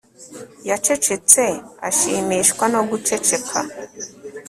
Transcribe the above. Yacecetse ashimishwa no guceceka